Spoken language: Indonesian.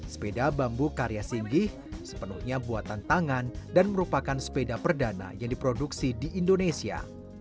sepeda bambu karya singgih sepenuhnya buatan tangan dan merupakan sepeda perdana yang diproduksi di indonesia